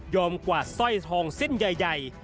กวาดสร้อยทองเส้นใหญ่